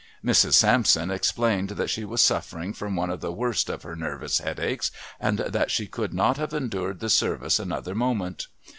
Mrs. Sampson explained that she was suffering from one of the worst of her nervous headaches and that she could not have endured the service another moment.